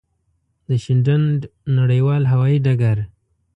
د شینډنډ نړېوال هوایی ډګر.